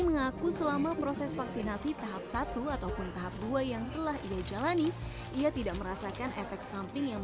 mengaku selama proses vaksinasi tahap satu ataupun tahap dua yang telah ia jalani ia tidak merasakan efek samping yang